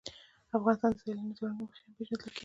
افغانستان د سیلاني ځایونو له مخې هم پېژندل کېږي.